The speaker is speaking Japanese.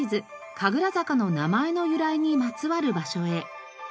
神楽坂の名前の由来にまつわる場所へ。